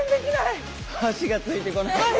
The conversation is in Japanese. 足がついてこない。